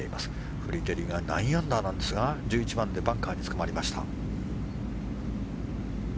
フリテリが９アンダーなんですが１１番でバンカーにつかまりました。